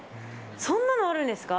そんなのあるんですか？